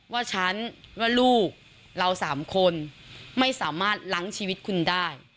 ว่าฉันว่าลูกเราสามคนไม่สามารถล้างชีวิตคุณได้